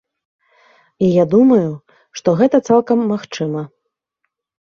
І я думаю, што гэта цалкам магчыма.